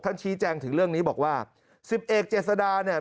ท่านชี้แจ้งถึงเรื่องนี้บอกว่า๑๑เจษฎาเนี่ย